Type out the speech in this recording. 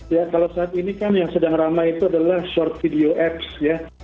ya kalau saat ini kan yang sedang ramai itu adalah short video apps ya